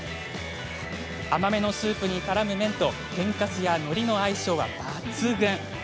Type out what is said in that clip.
甘めのスープにからむ麺と天かすや、のりの相性は抜群。